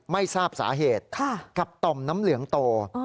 ไม่ทราบสาเหตุกับต่อมน้ำเหลืองโต